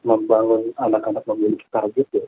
membangun anak anak memiliki target